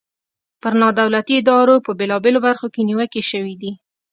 پر نا دولتي ادارو په بیلابیلو برخو کې نیوکې شوي دي.